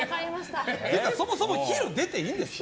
そもそも昼出ていいんですか？